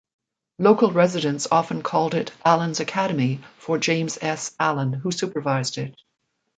Local residents often called it Allen's Academy, for James S. Allen, who supervised it.